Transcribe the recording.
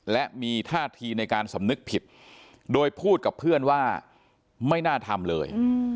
และมีท่าทีในการสำนึกผิดโดยพูดกับเพื่อนว่าไม่น่าทำเลย